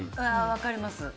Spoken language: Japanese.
分かります。